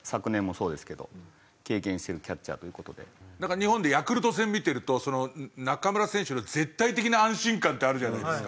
日本でヤクルト戦見てると中村選手の絶対的な安心感ってあるじゃないですか。